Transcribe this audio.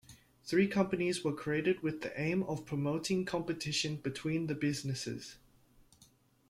Three companies were created with the aim of promoting competition between the businesses.